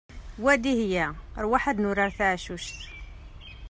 Wa Dihya ṛwaḥ ad nurar taɛcuct!